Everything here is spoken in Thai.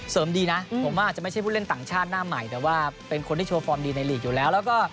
ดีนะผมว่าอาจจะไม่ใช่ผู้เล่นต่างชาติหน้าใหม่แต่ว่าเป็นคนที่โชว์ฟอร์มดีในลีกอยู่แล้วแล้วก็